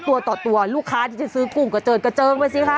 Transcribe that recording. ตัวต่อตัวลูกค้าที่จะซื้อกุ้งกระเจิดกระเจิงไปสิคะ